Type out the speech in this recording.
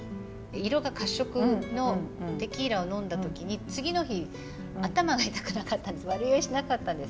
色が褐色のテキーラを呑んだ時に次の日頭が痛くなかったんです悪酔いしなかったんです。